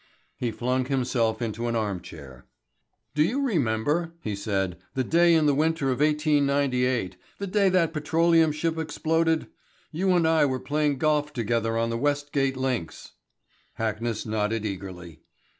He flung himself into an armchair. "Do you remember," he said, "the day in the winter of 1898, the day that petroleum ship exploded? You and I were playing golf together on the Westgate links." Hackness nodded eagerly.